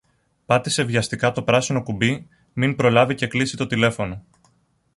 Πάτησε βιαστικά το πράσινο κουμπί μην προλάβει και κλείσει το τηλέφωνο